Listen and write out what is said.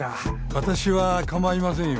私はかまいませんよ。